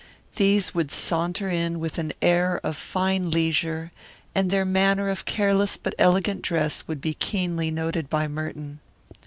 These would saunter in with an air of fine leisure, and their manner of careless but elegant dress would be keenly noted by Merton.